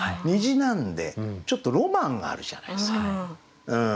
なんでちょっとロマンがあるじゃないですか。